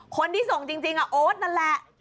คนที่ส่งจริงโอ๊ตนั่นแหละ